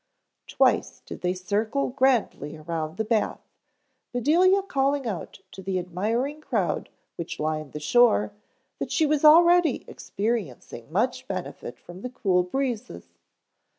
Twice did they circle grandly around the bath, Bedelia calling out to the admiring crowd which lined the shore that she was already experiencing much benefit from the cool breezes.